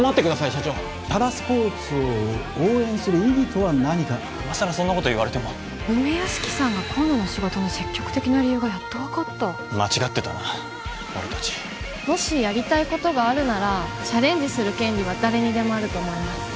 社長パラスポーツを応援する意義とは何か今さらそんなこと言われても梅屋敷さんが今度の仕事に積極的な理由がやっと分かった間違ってたな俺達もしやりたいことがあるならチャレンジする権利は誰にでもあると思います